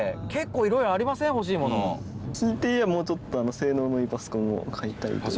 強いて言えば、もうちょっと性能のいいパソコンを買いたい。